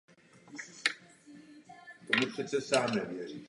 Enterprise poté vstoupí do neutrální zóny.